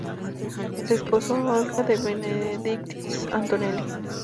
Desposó a Olga De Benedictis Antonelli.